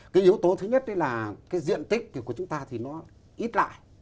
cái yếu tố thứ nhất là cái diện tích của chúng ta thì nó ít lại